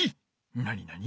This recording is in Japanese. なになに？